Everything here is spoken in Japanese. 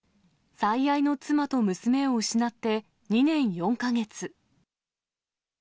最愛の妻と娘を失って２年４か月。